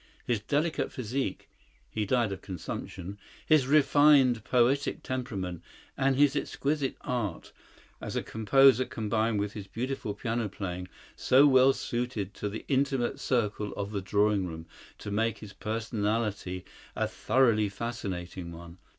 His delicate physique,—he died of consumption,—his refined, poetic temperament, and his exquisite art as a composer combined with his beautiful piano playing, so well suited to the intimate circle of the drawing room, to make his personality a thoroughly fascinating one.